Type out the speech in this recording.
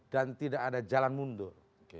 dan tidak ada jalan mundur